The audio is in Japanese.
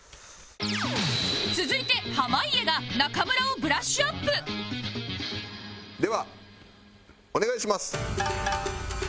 続いて濱家が中村をブラッシュアップではお願いします。